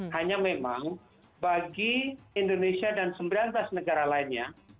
hanya memang bagi indonesia dan sembilan tas negara lainnya